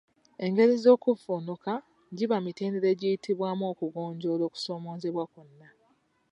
Engeri z'okuvvuunuka giba mitendera egiyitibwamu okugonjoola okusoomoozebwa kwonna.